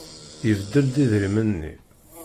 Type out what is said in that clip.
Ibeddel-d idrimen-nni.